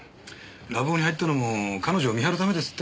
ラブホに入ったのも彼女を見張るためですって。